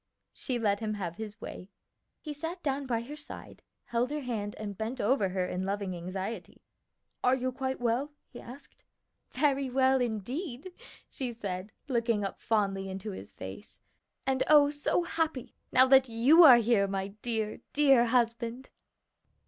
She let him have his way. He sat down by her side, held her hand, and bent over her in loving anxiety. "Are you quite well?" he asked. "Very well indeed," she said, looking up fondly into his face, "and, oh, so happy now that you are here, my dear, dear husband!"